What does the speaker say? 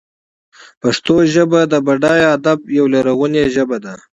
پښتو ژبه د بډای ادب یوه لرغونې ژبه ده.